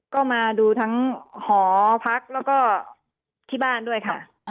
ก็มาดูทั้งหอพักแล้วก็ที่บ้านด้วยค่ะ